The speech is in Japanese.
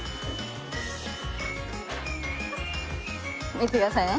見てくださいね。